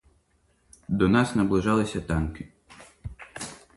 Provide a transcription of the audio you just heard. До нас наближалися танки.